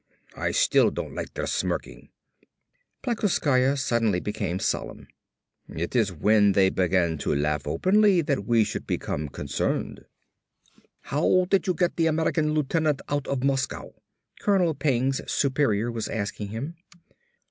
"I still don't like their smirking." Plekoskaya became suddenly solemn. "It is when they begin to laugh openly that we should become concerned." "How did you get the American lieutenant out of Moscow?" Colonel Peng's superior was asking him.